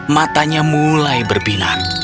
matanya mulai berbinar